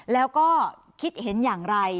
แล้วก็คิดเห็นอย่างไร